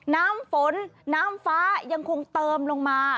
น้ำฝนน้ำฟ้ายังคงเติมลงมา